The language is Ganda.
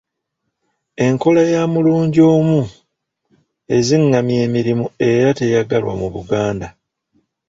Enkola ya “mulungi omu” ezingamya emirimu era teyagalwa mu Buganda.